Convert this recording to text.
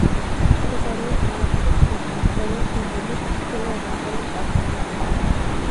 მდებარეობს ალასკის ქედზე, მწვერვალ დენალის ჩრდილო-აღმოსავლეთ კალთაზე.